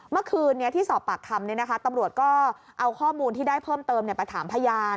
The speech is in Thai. เมื่อคืนนี้ที่สอบปากคำตำรวจก็เอาข้อมูลที่ได้เพิ่มเติมไปถามพยาน